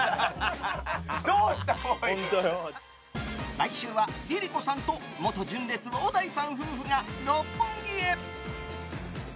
来週はＬｉＬｉＣｏさんと元純烈、小田井さん夫婦が六本木へ。